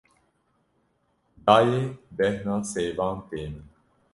Dayê bêhna sêvan tê min.